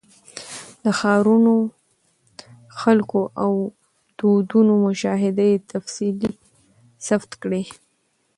د ښارونو، خلکو او دودونو مشاهده یې تفصیلي ثبت کړې.